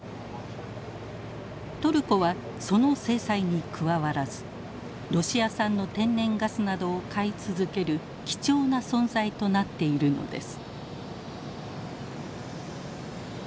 トルコはその制裁に加わらずロシア産の天然ガスなどを買い続ける貴重な存在となっているのです。